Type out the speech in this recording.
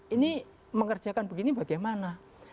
ini mengerjakan begini bagaimana